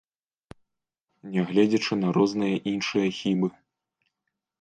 Нягледзячы на розныя іншыя хібы.